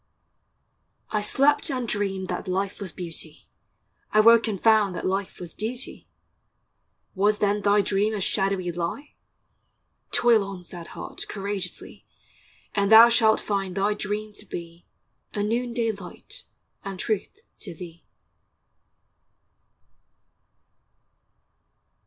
I slept and dreamed that life was Beauty: I woke and found that life was Duty: Was then thy dream a shadowy lie? Toil on, sad heart, courageously, And thou shalt find thy dream to be A noonday light and truth to thee.